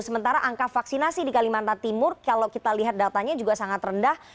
sementara angka vaksinasi di kalimantan timur kalau kita lihat datanya juga sangat rendah